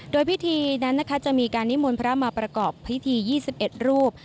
โดยพิธีนั้นนะคะจะมีการนิมวลพระมาปฏิบัติที๒๑รูป